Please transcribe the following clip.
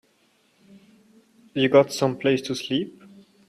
You got someplace to sleep?